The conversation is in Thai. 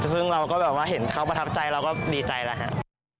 ซึ่งเราก็แบบว่าเห็นเขาประทับใจเราก็ดีใจแล้วครับ